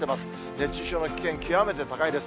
熱中症の危険、極めて高いです。